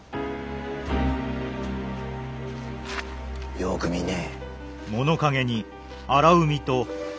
よく見ねえ。